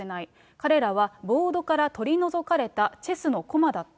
彼らはボードから取り除かれたチェスの駒だった。